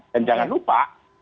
dan jangan lupa